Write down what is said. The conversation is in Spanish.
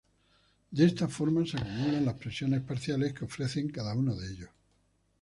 De esta forma se acumulan las presiones parciales que ofrecen cada uno de ellos.